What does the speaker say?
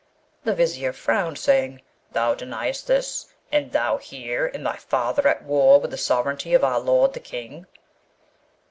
The Vizier frowned, saying, 'Thou deniest this? And thou here, and thy father at war with the sovereignty of our lord the King!'